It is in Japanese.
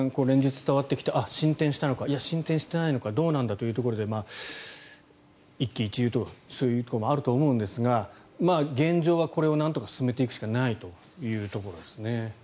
連日伝わってきて進展したのか進展していないのかどうなんだというところで一喜一憂というところもあると思うんですが現状はこれをなんとか進めていくしかないというところですね。